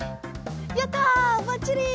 やったばっちり！